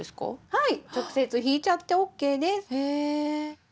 はい。